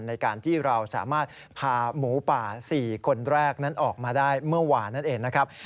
ในการที่เราสามารถพาหมูป่า๔คนแรกนั้นออกมาได้เมื่อวานนั่นเองนะครับ